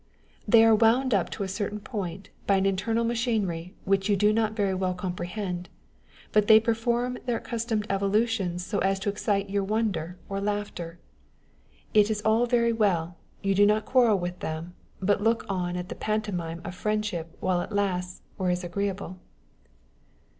They are wound up to a certain point, by an internal machinery which you do net very well comprehend ; but if they perform their accus tomed evolutions so as to excite your wonder or laughter, 118 On the Spirit of Obligations. it is all very well, you do not quarrel with them, but look on at the pantomime of friendship while it lasts or is agreeable.